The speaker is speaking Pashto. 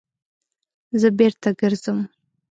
_زه بېرته ګرځم.